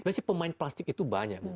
biasanya pemain plastik itu banyak